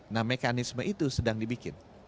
nah mekanisme itu sedang dibikin